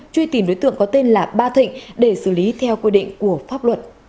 truy tìm đối tượng có tên là ba thịnh để xử lý theo quy định của pháp luật